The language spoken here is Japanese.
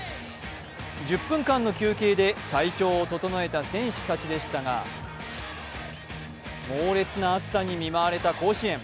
１０分間の休憩で体調を整えた選手たちでしたが、猛烈な暑さに見舞われた甲子園。